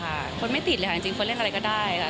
เฟิร์มไม่ติดเลยค่ะจริงเฟิร์มเล่นอะไรก็ได้ค่ะ